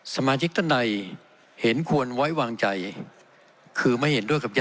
ขอเชิญลงก์มาหน่อยครับ